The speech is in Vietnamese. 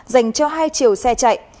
dành cho hai chiều xe chạy